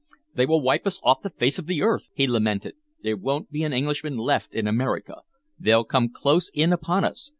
"They will wipe us off the face of the earth!" he lamented. "There won't be an Englishman left in America! they'll come close in upon us!